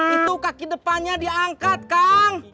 itu kaki depannya diangkat kang